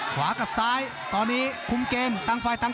ภูตวรรณสิทธิ์บุญมีน้ำเงิน